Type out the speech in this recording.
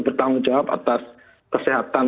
bertanggung jawab atas kesehatan